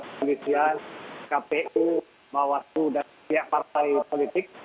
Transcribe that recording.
polisian kpu bawaslu dan pihak partai politik